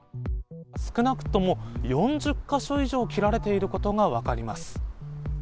少なくとも４０か所以上切られていることが分かります。